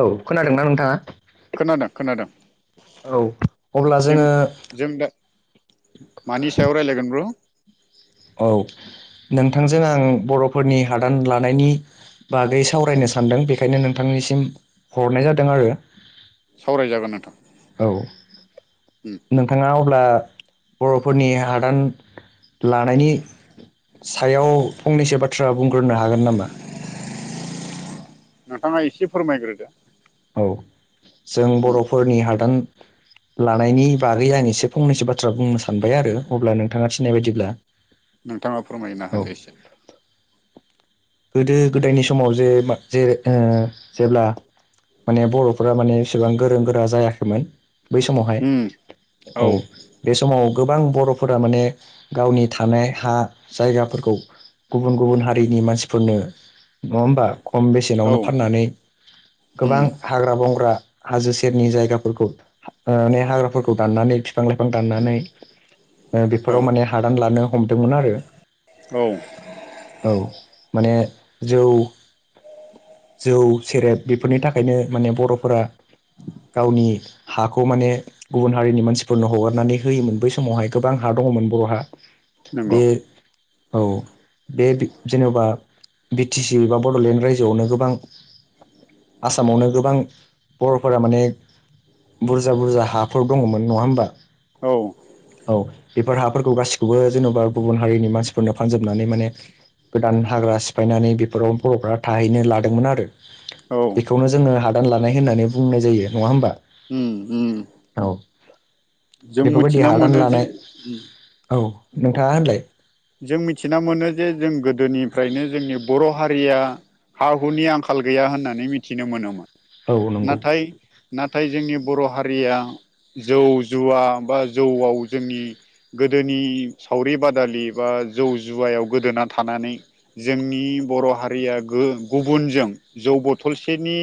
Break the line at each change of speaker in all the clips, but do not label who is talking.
औ खोनादोंना नोंथाङा
खोनादों खोनादों
औ अब्ला
जों
जोङो
जों दा मानि सायाव रायलायगोन र'
औ नोंथांजों आं बर'फोरनि हादान लानायनि बागै सावरायनो सानदों बेखायनो नोंथांनिसिम हरनाय जादों आरो
सावरायजागोन नोंथां
औ
उम
नोंथाङा अब्ला बर'फोरनि हादान लानायनि सायाव फंनैसो बाथ्रा बुंग्रोनो हागोन नामा?
नोंथाङा एसे फोरमायग्रोदो
औ जों
उम
बर'फोरनि हादान लानायनि बागै आं एसे फंनैसो बाथ्रा बुंनो सानबाय आरो अब्ला नोंथाङा थिनाय बायदिब्ला
नोंथाङा फोरमायना
औ
होदोएसे
गोदो गोदायनि समाव जे मा जै ओ जेब्ला माने बर'फोरा माने बेसेबां गोरों गोरा जायाखैमोन बै समावहाय
उम
औ बे समाव गोबां बर'फोरा माने गुबुन गुबुन हारिनि मानसिफोरनो नङा होमबा खम
औ
बेसेनावनो फाननानै गोबां
उम
हाग्रा-बंग्रा हाजो सेरनि जायगाफोरखौ ओ ने हाग्राफोरखौ दाननानै बिफां-लाइफां दाननानै ओ
औ
बेफोराव माने हादान लानो हमदोंमोन आरो
औ
औ माने जौ जौ सेरेब बेफोरनि थाखायनो माने बर'फोरा गावनि हाखौ माने गुबुन हारिनि मानसिफोरनो हगारनानै होयोमोन बै समावहाय गोबां हा दंमोन बर'हा
नोंगौ
बे औ बे बि जेनबा बि टि सि बा बडलेण्ड रायजोआवनो गोबां आसामावनो गोबां बर'फोरा माने बुरजा बुरजा हाफोर दङमोन नङा होमबा
औ
औ बेफोर हाफोरखौ गासिखौबो जेनबा गुबुन हारिनि मानसिफोरनो फानजोबनानै माने गोदान हाग्रा सिफायनानै बेफोराव बर'फ्रा थाहैनो लादोंमोन आरो
औ
बेखौनो जोङो हादान लानाय होननानै बुंनाय जायो नङा होमबा
उ उ
औ बेफोरबायदि हादान
जे
लानाय
उम
औ नोंथाङा होनलाय
जों मिथिना मोनो जे जों गोदोनिफ्रायनो जोंनि बर' हारिया हा हुनि आंखाल गैया होननानै मिथिनो मोनोमोन
औ नंगौ
नाथाय नाथाय जोंनि बर' हारिया जौ जुवा बा जौआव जोंनि गोदोनि सावरि बादालि बा जौ जुवायाव गोदोना थानानै जोंनि बर' हारिया गो गुबुनजों जौ बथलसेनि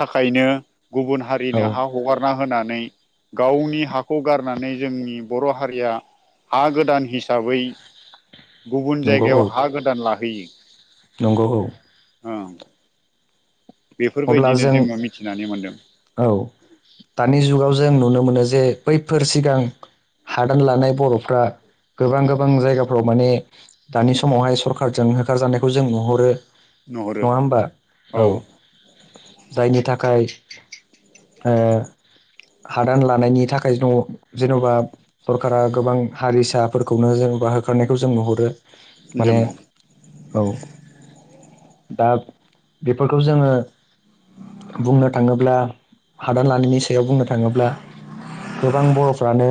थाखायनो गुबुन
औ
हारिनो हा हगारना होना नै गावनि हाखौ गारनानै जोंनि बर' हारिया हा गोदान हिस हिसाबै गुबुन
नंगौ
जायगायाव
औ
हा गोदान लाहैयो।
नंगौ औ
ओं
अब्ला
बेफोरबायदिनो
जों
जोङो मिथिनानै मोनदों
औ दानि जुगाव जों नुनो मोनो जे बैफोर सिगां हादान लानाय बर'फ्रा गोबां गोबां जायगाफ्राव माने दानि समावहाय सरखारारजों होखारजानायखौ जों नुहरो
नुहुरो
नङा होमबा औ जायनि थाखाय ओ हादान लानायनि थाख खाय दं जेनबा सरकारा गोबां हारिसाफोरखौनो जेनबा होखारनायखौ जों नुहरो। माने
नंगौ
औ दा बेफोरखौ जोङो बुंनो थाङोब्ला हादान लानायनि सायाव बुंनो थाङोब्ला गोबां बर'फ्रानो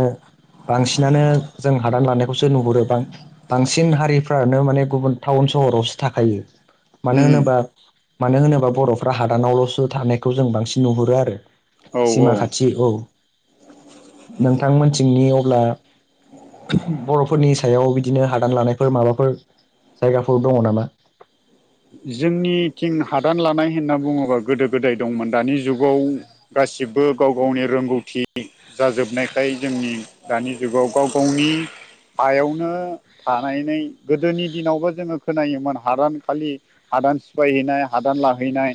बांसिनानो जों हादान लानायखौसो नुहुरो बां-बांसिन हारि फ्रानो माने गुबुन टाउन सहरावसो थाखायो मानो होनोबा मानो होनोबा बर' फोरा हादानावलसो थानायखौ जों बांसिन नुहुरो आरो सिमा खाथि औ।
[inaudible]
नोंथांमोनथिंनि अब्ला बर'फोरनि सायाव बिदिनो हादान लानायफोर माबाफोर जायगाफोर दङ नामा?
जोंनिथिं हादान लानाय होनना बुङोबा गोदो गोदाय दंमोन दानि जुगाव गासिबो गाव गावनि रोंगौथि जाजोबनायखाय जोंनि दानि जुगाव गाव गावनि हायावनो थानायनाय गोदोनि दिनावबो जोङो खोनायोमोन हादानखालि हादान सिफायहैनाय हादान लाहैनाय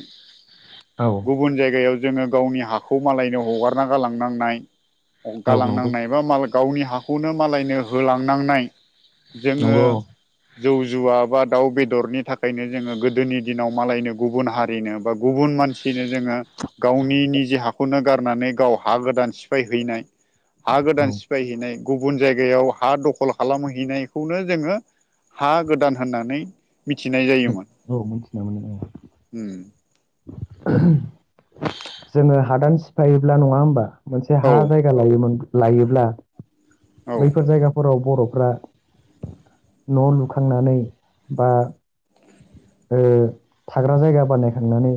औ
गुबुन जायगायाव जोङो गावनि हा खौ मालायनो हगारना गालांनांनाय
औ नंगौ
गालांनांनाय बा माल गावनि हाखौनो मालायनो होलांनांनाय। जोङो
नंगौ औ
जौ जुवा बा दाउ बेदरनि थाखायनो जोङो गोदोनि दिनाव मालायनो गुबुन हारिनो बा गुबुन मानसिनो जोङो गावनि निजे हाखौनो गारनानै गाव हा गोदान सिफाय हैैनाय। हा गोदान
औ
सिफायहैनाय। गुबुन जायगायाव हा दखल खालामहैनायखौनो जोङो हा गोदान होननानै मिथिनाय जायोमोन।
औ मिथिनो मोनदों औ। जोङो हादान सिफायोब्ला नङा होमबा? मोनसे
औ
हा जायगा लोमोन लायोब्ला
औ
बैफोर जायगाफोराव बर' फोरा न' लुखांनानै बा ओ थाग्रा जायगा बानायखांनानै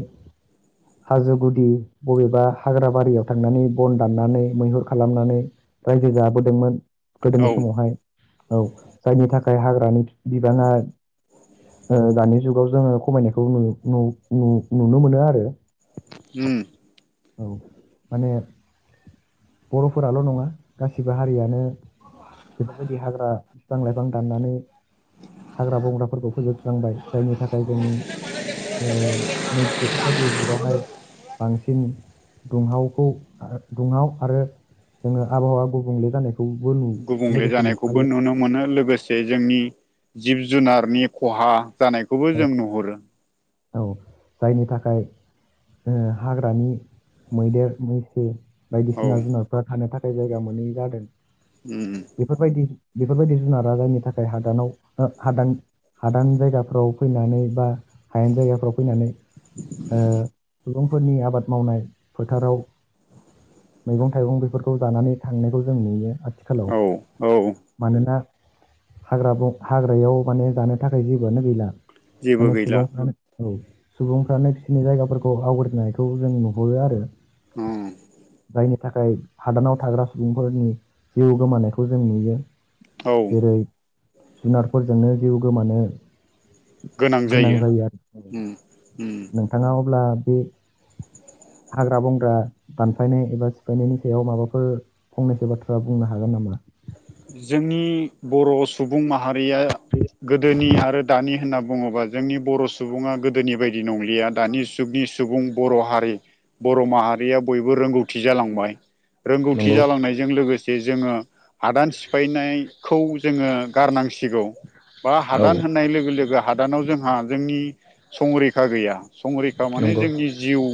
हाजो गुदि बबेबा हाग्रााबारियाव थांनानै बन दाननानै मैहुर खालामनानै रायजो जाबोदोंमोन। गोदोनि
औ
समावहाय औ जायनि थाखाय हाग्रानि बिबाङा ओ दानि जुगाव जोङो खमायनायखौ नु नु-नुनो मोनो आरो। औ माने बर'फोराल' नङा गासिबो हारियानो बेफोरबायदि हाग्रा फिफां-लाइफां दाननानै हाग्रा बंग्राफोरखौ फोजोबस्रांबाय जायनि थाखाय जों ओ नै बेफोरबायदि जुगावहाय बांसिन दुंहावखौ दुंहाव आरो जोङो आबहावा गुबुंले जानाय
गुबुंले जानायखौबो नुनो मोनो लोगोसे जोंनि जिब जुनार नि खहा जानायखौबो
औ
जों नुहुरो
औ जायनि थाखाय ओ हाग्रानि मैदेर मैसो
औ
बायदिसिना जुनारफ्रा थानो थाखाय जायगा मोनै जादों बेफोरबायदि बेफोरबायदि जुनारा जायनि थाखाय हादानाव हादान हादान जायगाफ्राव ओ फैनानै बा हायेन जायगाफ्राव फैनानै सुबुंफोरनि आबाद मावनाय फोथाराव मैगं थाइगं बेफोरखौ जानानै थांनायखौ जों नुयो। हेल'
औ औ
[inaudible] मानोना हाग्रा ब हाग्रायाव माने जानो थाखाय जेबोआनो गैला।
जेबो
माने
गैला
सुबुंफ्रा औ सुबुंफ्रानो बिसोरनि जायगाफोरखौ आवग्रिनायखौ जों नुहरो आरो
उम
जोंनि थाखाय हादानाव थाग्रा सुबुंफोरनि जिउ गोमानायखौ जों नुयो
औ
जेरै जुनारफोरजोंनो जिउ गोमानो गोनां जायो आरो
उम उम
नोंथाङा अब्ला बे हाग्रा बंग्रा दानफायनाय एबा सिफायनायनि सायाव माबाफोर फंनैसो बाथ्रा बुंनो हागोन गोन नामा?
जोंनि बर' सुबुं माहारिया गोदोनि आरो दानि होनना बुङोबा जोंनि बर' सुबुङा गोदोनि बायदि नंलिया दानि जुगनि सुबुं बर' हारि बर' माहारिया बयबो रोंगौथि जालांबाय रोंगौथि
नंगौ
जालांनायजों लोगोसे जोङो हादान सिफायनायखौ जोङो गारनांसिगौ बा
औ
हादान होननाय लोगो लोगो हा दानाव जोंहा जोंनि संरैखा गैया संरैखा माने
नंगौ
जोंनि जिउ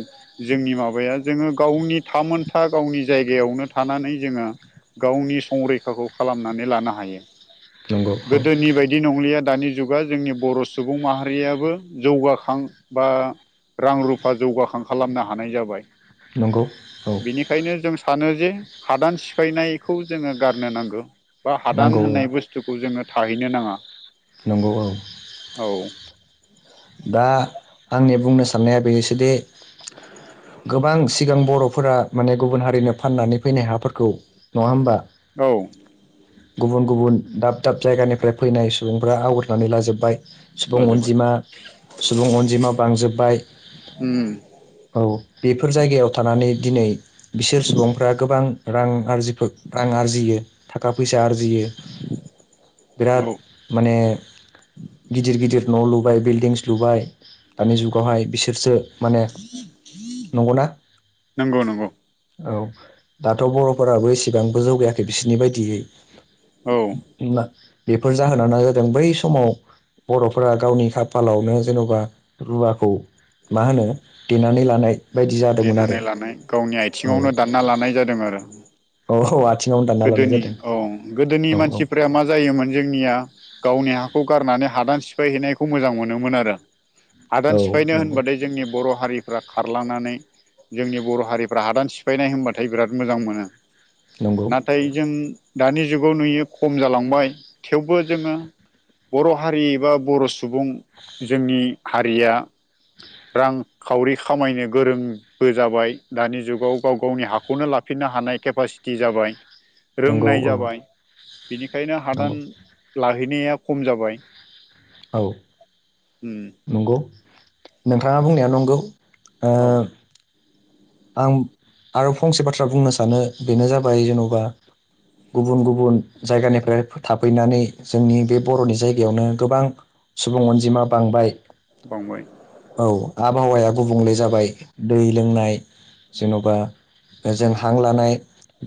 जोंनि माबाया जोङो गावनि थामोनथा गावनि जायगायावनो थानानै जोङो गावनि [unintelligible] संरै खाखौ खालामनानै लानो हायो
नंगौ औ
गोदोनि बायदि नंलिया दानि जुगा जोंनि बर' सुबुं माहारियाबो जौगाखां बा रां रुफा जौगाखां खालामनो हानाय जाबाय
नंगौ औ
बिनिखायनो जों सानो जे हादान सि सिफायनायखौ जोङो गारनो नांगौ बा हादान
नंगौ औ
होननाय बुस्थुखौ जोङो थाहैनो नाङा
नंगौ औ [inaudible]
औ
दा आंनि बुंनो साननाया बेनोसोदि गोबां सिगां बर'फोरा माने गुबुन हारिनो फाननानै फैनाय हाफोरखौ नङा होमबा?
औ
गुबुन गुबुन दाब दाब जायगानिफ्राय फैनाय सुबुंफ्रा आवगयनानै लाजोबबाय सुबुं
लाजोबबाय
अनजिमा सुबुं अनजिमा बांजोब्बाय
उम
औ बेफोर जायगायाव थानानै दिनै बिसोर सुबुंफ्रा गोबां रां आरजिबो आरजियो थाखा फैसा [unintelligible]
औ
बिराद माने गिदिर गिदिर न' लुबाय बिल्डिंस लुबाय दानि जुगावहाय बिसोरसो माने नंगौना
[inaudible] नंगौ नंगौ
औ दाथ' बर'फोराबो एसेबांबो जौगायाखै बिसोरनि बायदियै
औ
[unintelligible] बेफोर जाहोना जादों बै समाव बर'फोरा गावनि खाफालाव नो जेनावबा रुवाखौ मा होनो देनानै लानाय बायदि जादोंमोन आरो
देनानै लानाय गावनि
औ
आथिङावनो दानना लानाय जादों आरो
औ औ [unintelligible] लानाय
गोदोनि
जादों
औ गोदोनि
औ औ
मानसिफोरा मा जायोमोन जोंनिया गावनि हाखौ गारनानै हादान सिफायहैनायखौ मोजां मोनोमोन आरो
औ
हादान सिफायनो
नंगौ
होनबाथाय जोंनि बर' हारिफ्रा खारलांनानै जोंनि बर' हारिफ्रा हादान सिफायनाय होनबाथाय बिराद मोजां मोनो।
नंगौ
नाथाय जों दानि जुगाव नुयो खम जालांबाय थेवबो जोङो बर' हारि बा बर' सु सुबुं जोंनि हारिया रांखावरि खामायनो गोरोंबो जाबाय दानि जुगाव गाव गावनि हाखौनो लाफिन नो हानाय केपासिटि जाबाय
नंगौ
रोंनाय
औ
जाबाय बिनिखायनो
नंगौ
हादान ला हैनाया खम जाबाय
औ
उम
नंगौ नोंथाङा बुंनाया नंगौ। ओ
औ
आं आरो फंसे बाथ्रा बुंनो सानो बेनो जाबाय जेन'बा गुबुन गुबुन जायगानिफ्राय थाफैनानै जोंनि बे बर'नि जायगायावनो गोबां सुबुं अनजिमा बांबाय।
बांबाय
औ आबहावाया गुबुंले जाबाय दै लोंनाय। जेन'बा जों हां लानाय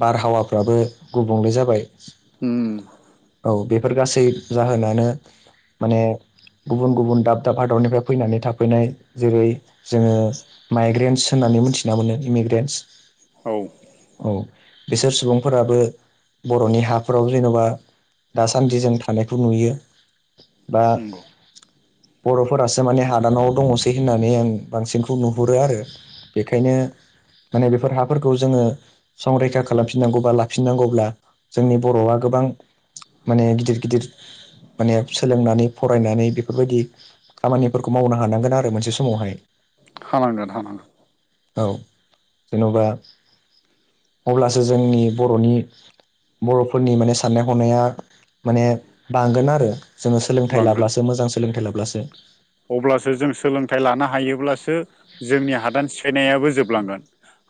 बारहावाफ्राबो गुबुंले जाबाय।
ओम
औ बेफोर गासै जाहोनानो माने गुबुन गुबुन दाब दाब हादरनिफ्राय फैनानै थाफैनाय जेरै जोङो माइग्रेन्स होननानै मोनथि ना मोनो इमिग्रेन्टस
औ
औ बिसोर सुबुंफोराबो बर'नि हाफोराव जेन'बा दासान्दि जों थानायखौ नुयो बा।
नंगौ
बर'फोरासो माने हादानाव दङसै होननानै आं बांसिनखौ नुहुरो आरो बे खायनो माने बेफोर हाफोरखौ जोङो संरैखा खालामफिननांगौ बा लाफिननांगौब्ला जोंनि बर'आ गोबां माने गिदिर गिदिर माने सोलोंनानै फरायनानै बेफोरबायदि खामानिफोरखौ मावनो हानांगोन आरो मोनसे स
हानांगोन हानांगोन।
औ जेन'बा अब्लासो जोंनि बर'नि बर'फोरनि माने साननाय हनाया माने बांगोन आरो। जोङो सोलोंथाइ
बांगोन
लाब्लासो मोजां सोलोंथाइ लाब्लासो
अब्लासो जों सोलोंथाइ लानो हायोब्लासो जोंनि हादान सिफायनायाबो जोबलांगोन।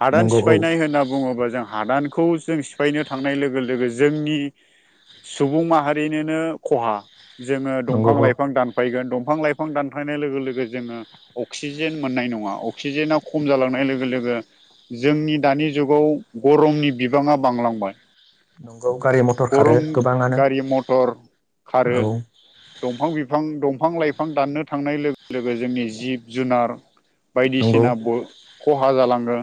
हादान
नंगौ औ
सिफायनाय होनना बुङोबा जों हादानखौ जों सिफायनो थाखाय। थांनाय लोगो लोगो जोंनि सुबुं माहारिनोनो खहा जोङो
नंगौ
दंफां
औ
लाइफां दानफायगोन दंफां लाइफां दानफैनाय लोगो लोगो जोङो अक्सिजेन मोननाय नङा अक्सिजेना खम जालांनाय लोगो लोगो जोंनि दानि जुगाव गरमनि बिबाङा बांलांबाय
नंगौ गारि मथर खारो
गरम
गोबाङानो
गारि मटर खारो
औ
दंफां बिफां दंफां लाइफां दाननो थांनाय लोगो लोगो जोंनि जिब जुनार
नंगौ
बायदिसिना खहा जालाङो।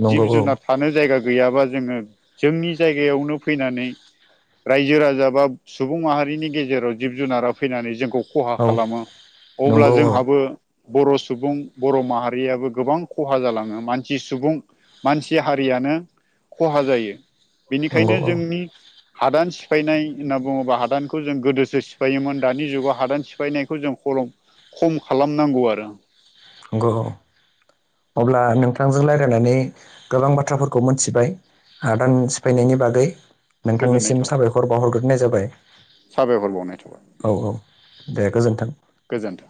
नंगौ
जिब
औ
जुनार थानो जायगा गैयाबा जोङो जोंनि जायगायावनो फैनानै रायजो राजा बा सुबुं माहारिनि गेजेराव जिब जुनारा फैनानै जोंखौ खहा
औ
खालामो अब्ला
नंगौ औ
जोंहाबो बर' सुबुं बर' माहारियाबो गोबां खहा जालाङो मानसि सुबुं मानसि हारिया खहा जायो
नंगौ
बेनिखायनो
औ
जोंनि हादान सिफायनाय होननाुङोब्ला हादानखौ जों गोदोसो सिफायोमोन दानि जुगाव हादान सिफाय बायनायखौ जों खम खम खालामनांगौ आरो
नंगौ। अब्ला नोंथांजों रायजलायनानै गोबां बाथ्राफोरखौ मोनथिबाय। हदान सिफायनायनि बागै
गोजोननाय
नोंथांनिसिम
थाबाय
साबायखर बावहरग्रोनाय जाबाय
साबायखर बावनाय
औ औ दे गोजोन्थों
गोजोनथों